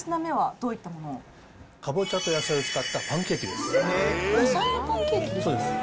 かぼちゃと野菜を使ったパン野菜のパンケーキですか？